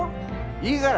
いいがら。